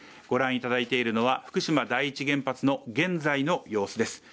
ご覧いただいているのは、福島第１原発の現在の様子です。